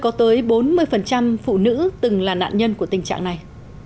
có tới bốn mươi phụ nữ từng là nạn nhân của tình trạng này